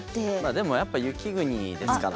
でもやっぱ雪国ですから。